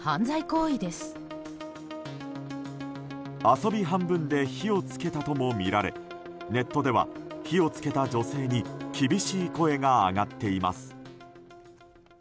遊び半分で火を付けたともみられネットでは火を付けた女性に厳しい声が上がっています。